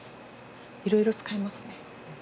いろいろ使えますね。